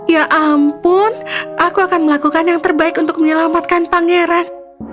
ya ampun aku akan melakukan yang terbaik untuk menyelamatkan pangeran